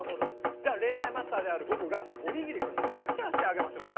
じゃあ恋愛マスターである僕がおにぎりくんにレクチャーしてあげましょうか？